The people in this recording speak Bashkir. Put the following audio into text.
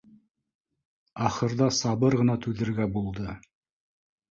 Ахырҙа сабыр ғына түҙергә булды